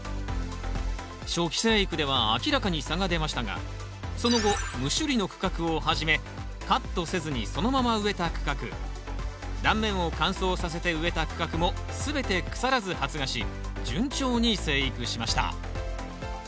初期生育では明らかに差が出ましたがその後無処理の区画をはじめカットせずにそのまま植えた区画断面を乾燥させて植えた区画も全て腐らず発芽し順調に生育しました。